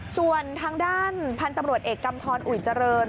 ส่วนทางด้านพันธุ์ตำรวจเอกกำทรอุ่ยเจริญ